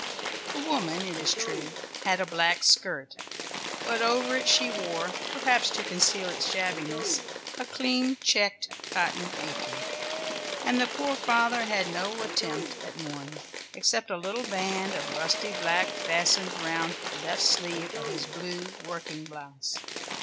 The woman, it is true, had a black skirt, but over it she wore, perhaps to conceal its shabbiness, a clean checked cotton apron, and the poor father had no attempt at mourning, except a little band of rusty black fastened round the left sleeve of his blue working blouse.